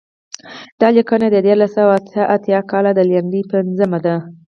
دا لیکنه د دیارلس سوه اته اتیا کال د لیندۍ پنځمه ده.